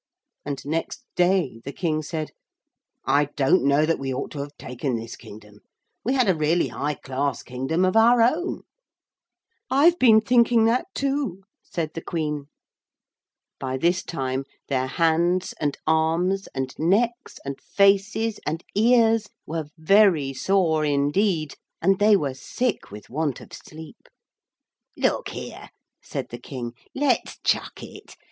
And next day the King said, 'I don't know that we ought to have taken this kingdom. We had a really high class kingdom of our own.' 'I've been thinking that too,' said the Queen. By this time their hands and arms and necks and faces and ears were very sore indeed, and they were sick with want of sleep. 'Look here,' said the King, 'let's chuck it.